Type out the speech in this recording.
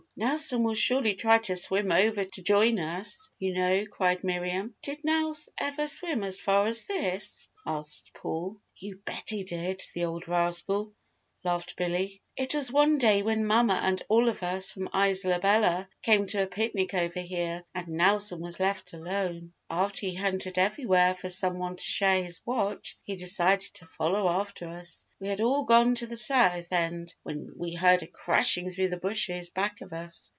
Nelson will surely try to swim over to join us, you know!" cried Miriam. "Did Nelse ever swim as far as this?" asked Paul. "You bet he did, the old rascal!" laughed Billy. "It was one day when Mamma and all of us from Isola Bella came to a picnic over here and Nelson was left alone. After he hunted everywhere for some one to share his watch, he decided to follow after us. We had all gone to the south end when we heard a crashing through the bushes back of us.